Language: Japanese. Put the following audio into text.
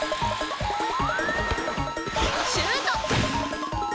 シュート！